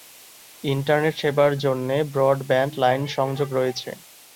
Internet সেবার জন্যে broadband line সংযোগ রয়েছে।